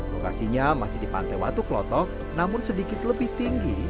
lokasinya masih di pantai watu klotok namun sedikit lebih tinggi